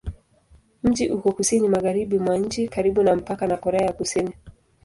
Mji uko kusini-magharibi mwa nchi, karibu na mpaka na Korea ya Kusini.